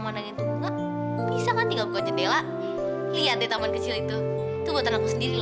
manangin tunga bisa kan tinggal jendela lihat teman kecil itu tuh buatan aku sendiri loh